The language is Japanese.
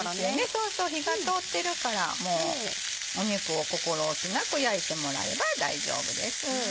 そうそう火が通ってるから肉を心置きなく焼いてもらえば大丈夫です。